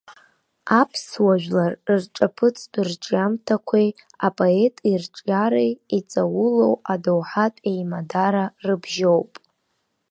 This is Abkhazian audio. Аԥсуа жәлар рҿаԥыцтә рҿиамҭақәеи апоет ирҿиареи иҵаулоу адоуҳатә еимадара рыбжьоуп.